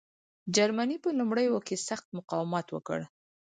جرمني په لومړیو کې سخت مقاومت وکړ.